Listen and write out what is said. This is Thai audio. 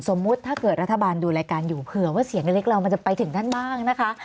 ถ้าเกิดรัฐบาลดูรายการอยู่เผื่อว่าเสียงเล็กเรามันจะไปถึงท่านบ้างนะคะ